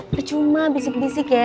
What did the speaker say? bercuma bisik bisik ya